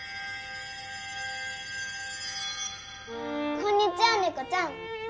こんにちはねこちゃん。